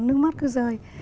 nước mắt cứ rơi